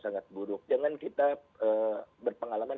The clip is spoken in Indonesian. sangat buruk jangan kita berpegal falan